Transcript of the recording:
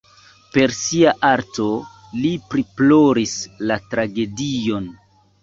Per sia arto li priploris la tragedion.